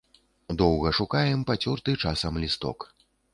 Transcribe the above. Доўга шукаем пацёрты часам лісток.